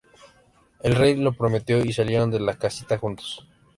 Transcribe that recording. El rey lo prometió y salieron de la casita juntos.